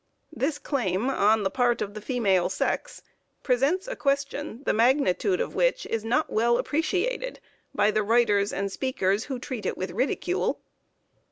This claim on the part of the female sex presents a question the magnitude of which is not well appreciated by the writers and speakers who treat it with ridicule.